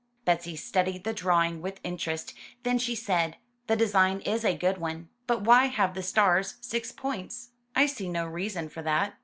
Betsy studied the drawing with interest, then she said: "The design is a good one. But why have the stars six points? I see no reason for that."